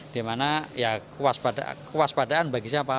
di mana ya kewaspadaan bagi siapa